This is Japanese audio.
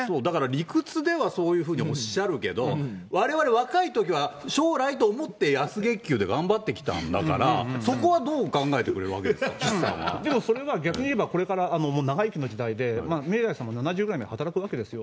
だから理屈ではそういうふうにおっしゃるけど、われわれ若いときは将来と思って安月給で頑張ってきたんだから、そこはどう考えてくれるわけですか、岸逆に言えば、これからもう長生きの時代で、明大さんも７０ぐらいまで働くわけですよ。